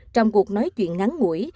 trong cuộc nói chuyện ngắn ngũi